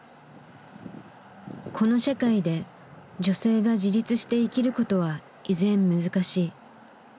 この社会で女性が自立して生きることは依然難しい。